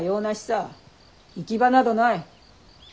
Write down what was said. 行き場などない。